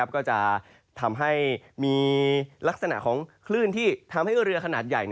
ก็จะทำให้มีลักษณะของคลื่นที่ทำให้เรือขนาดใหญ่